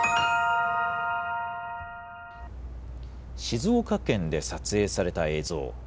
静岡県で撮影された映像。